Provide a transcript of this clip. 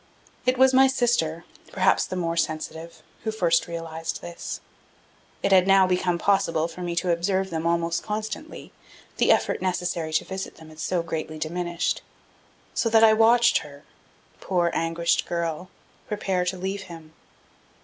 It was my sister, perhaps the more sensitive, who first realized this. It had now become possible for me to observe them almost constantly, the effort necessary to visit them had so greatly diminished; so that I watched her, poor, anguished girl, prepare to leave him.